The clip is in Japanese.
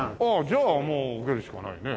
じゃあもう受けるしかないね。